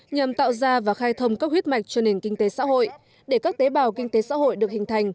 nhằm tạo ra và khai thông các huyết mạch cho nền kinh tế xã hội để các tế bào kinh tế xã hội được hình thành